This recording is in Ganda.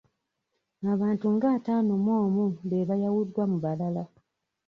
Abantu nga ataano mu omu be bayawuddwa mu balala.